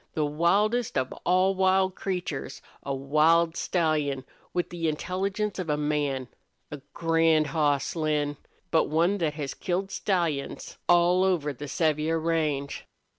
The wildest of all wild creatures a wild stallion, with the intelligence of a man! A grand hoss, Lin, but one thet has killed stallions all over the Sevier range.